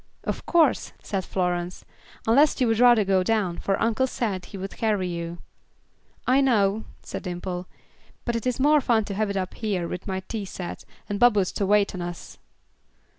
"Of course," said Florence, "unless you would rather go down, for uncle said he would carry you." "I know," said Dimple, "but it is more fun to have it up here with my tea set, and Bubbles to wait on us."